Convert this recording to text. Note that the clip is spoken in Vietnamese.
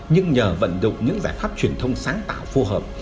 nhưng nhờ vận động những giải pháp truyền thông sáng tạo phù hợp